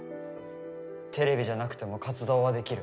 テレビじゃなくても活動はできる。